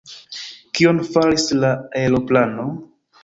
Kion faris la aeroplano?